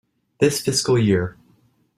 This fiscal year.